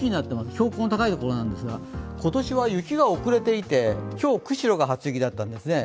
標高の高いところですが、今年は雪が遅れていて、今日、釧路が初雪だったんですね。